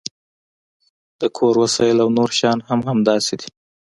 د کور وسایل او نور شیان هم همداسې دي